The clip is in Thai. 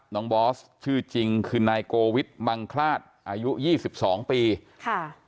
บอสชื่อจริงคือนายโกวิทมังคลาดอายุยี่สิบสองปีค่ะ